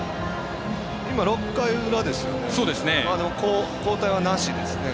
今、６回裏ですよね。